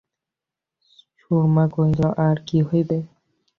সুরমা কহিল, আর কী হইবে?